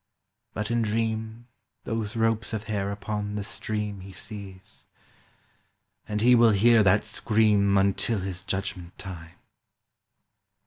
. But in dream Those ropes of hair upon the stream He sees, and he will hear that scream Until his judgment time.